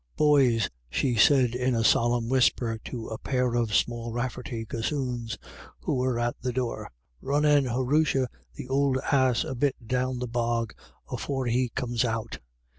" Boys," she said in a solemn whisper to a pair of small Rafferty gossoons, who were at the door, " run and huroosha th'ould ass a bit down the bog, afore he comes out.